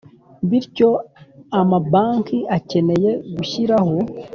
Bityo amabanki akeneye gushyiraho